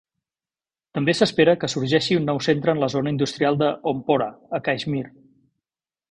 També s'espera que sorgeixi un nou centre en la zona industrial de Ompora, a Caixmir.